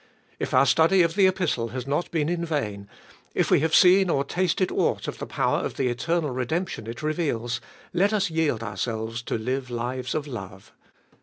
If our study of the Epistle has not been in vain, if we have seen or tasted aught of the power of the eternal redemption it reveals, let us yield ourselves to live lives of love.